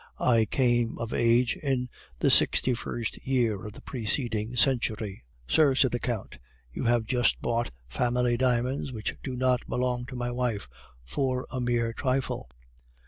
I came of age in the sixty first year of the preceding century.' "'Sir,' said the Count, 'you have just bought family diamonds, which do not belong to my wife, for a mere trifle.